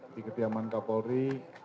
di ketiaman kapolri